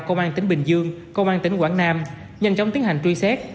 công an tỉnh bình dương công an tỉnh quảng nam nhanh chóng tiến hành truy xét